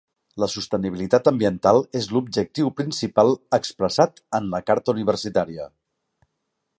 La sostenibilitat ambiental és l'objectiu principal expressat en la carta universitària.